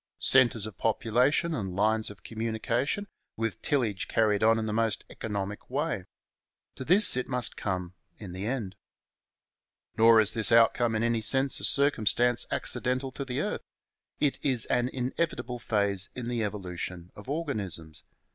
Centres of population and lines of communication, with tillage carried on in the most economic way ; to this it must come in the end. Nor is this outcome in any sense a circumstance acci dental to the earth ; it is an inevitable phase in the evo lution of organisms.